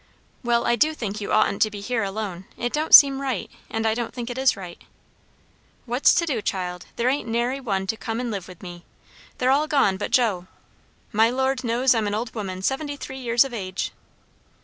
"Well, I do think you oughtn't to be here alone. It don't seem right, and I don't think it is right." "What's to do, child? There ain't nary one to come and live with me. They're all gone but Joe. My Lord knows I'm an old woman seventy three years of age."